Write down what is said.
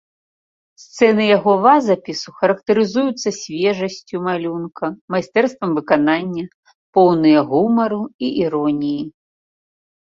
Сцэны яго вазапісу характарызуюцца свежасцю малюнка, майстэрствам выканання, поўныя гумару і іроніі.